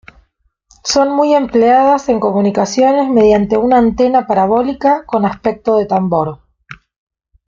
Son muy empleadas en comunicaciones mediante una antena parabólica con aspecto de tambor.